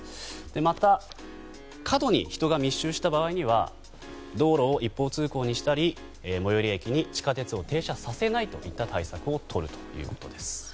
また、過度に人が密集した場合には道路を一方通行にしたり最寄り駅に地下鉄を停車させないといった対策をとるということです。